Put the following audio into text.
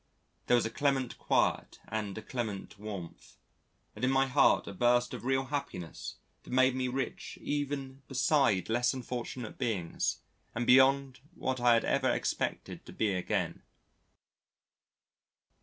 There was a clement quiet and a clement warmth, and in my heart a burst of real happiness that made me rich even beside less unfortunate beings and beyond what I had ever expected to be again.